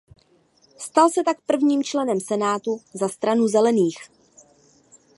Stal se tak prvním členem Senátu za Stranu zelených.